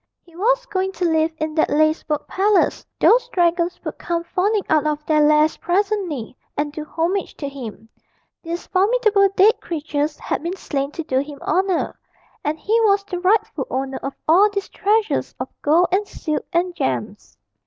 He was going to live in that lacework palace; those dragons would come fawning out of their lairs presently, and do homage to him; these formidable dead creatures had been slain to do him honour; and he was the rightful owner of all these treasures of gold, and silk, and gems.